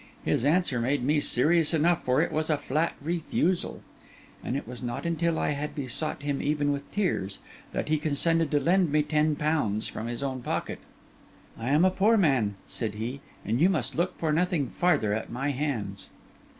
His answer made me serious enough, for it was a flat refusal; and it was not until I had besought him even with tears, that he consented to lend me ten pounds from his own pocket. 'I am a poor man,' said he, 'and you must look for nothing farther at my hands.